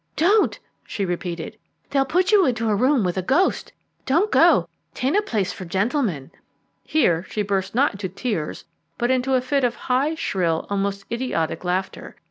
"Don't!" she repeated; "they'll put you into a room with a ghost. Don't go; 'tain't a place for gentlemen." Here she burst not into tears, but into a fit of high, shrill, almost idiotic laughter.